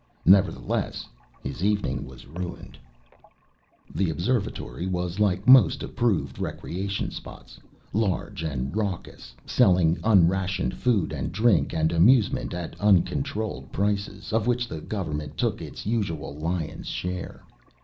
Nevertheless, his evening was ruined. The Observatory was like most approved recreation spots large and raucous, selling unrationed food and drink and amusement at uncontrolled prices of which the government took its usual lion's share.